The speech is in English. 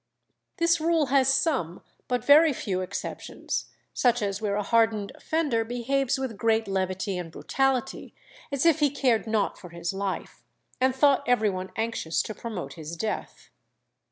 This rule has some, but very few, exceptions; such as where a hardened offender behaves with great levity and brutality, as if he cared nought for his life, and thought every one anxious to promote his death."